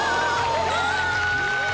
すごーい